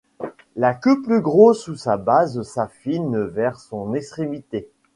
La queue plus grosse à sa base s'affine vers son extrémité.